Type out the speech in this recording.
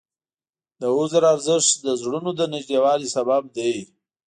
د عذر ارزښت د زړونو د نږدېوالي سبب دی.